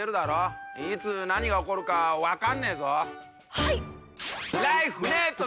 はい！